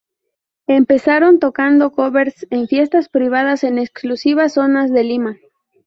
Empezaron tocando "covers" en fiestas privadas en exclusivas zonas de Lima.